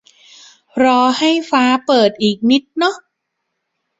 รอให้ฟ้าเปิดอีกนิดเนาะ